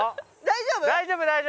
大丈夫大丈夫。